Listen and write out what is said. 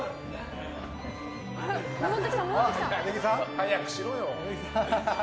早くしろよ。